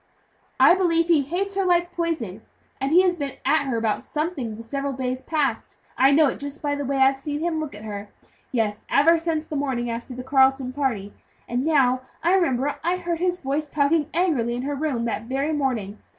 "I believe he hates her like poison, and he has been at her about something the several days past I know it just by the way I've seen him look at her yes, ever since the morning after the Carleton party. And now I remember I heard his voice talking angrily in her room that very morning.